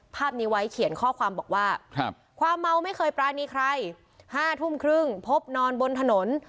ภาพนี้ไว้เขียนข้อความบอกว่าความเมาไม่เคยปรานีใคร๕ทุ่มครึ่งพบนอนบนถนน